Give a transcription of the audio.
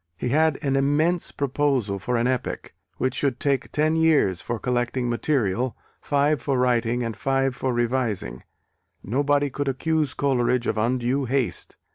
He had an immense proposal for an epic, which should take ten years for collecting material, five for writing and five for revising nobody could accuse Coleridge of undue haste!